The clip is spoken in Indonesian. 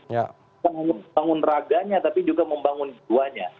membangun raganya tapi juga membangun jidwanya